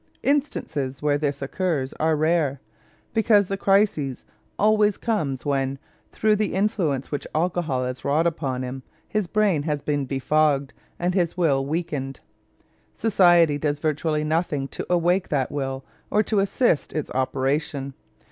Instances where this occurs are rare, because the crisis always comes when, through the influence which alcohol has wrought upon him, his brain has been befogged and his will weakened. Society does virtually nothing to awaken that will or to assist its operation.